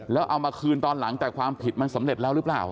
แล้วเอามาคืนตอนหลังแต่ความผิดมันสำเร็จแล้วหรือเปล่า